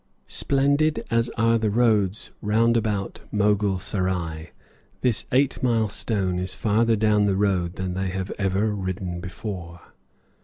Splendid as are the roads round about Mogul Serai, this eight mile stone is farther down the road than they have ever ridden before.